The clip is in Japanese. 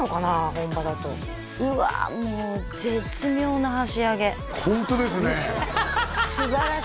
本場だとうわもう絶妙な箸上げホントですね